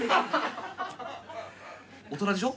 大人でしょ？